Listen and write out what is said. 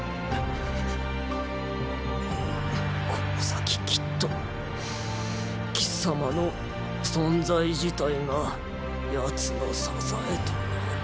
この先きっと貴様の存在自体が奴の支えとなる。